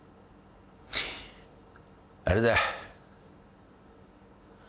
あれだ。